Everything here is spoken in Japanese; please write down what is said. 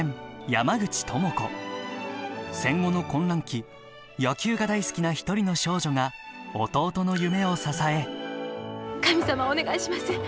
戦後の混乱期野球が大好きな１人の少女が弟の夢を支え神様お願いします。